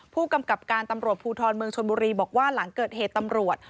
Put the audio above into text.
ผู้กำกับการตำรวจภูทรเมืองชนบุรีบอกว่าหลังเกิดเหตุตำรวจ